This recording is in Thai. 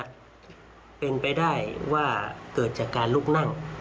ก็เป็นไปได้ว่าเกิดจากการลุกนั่ง